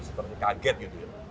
sepertinya kaget gitu ya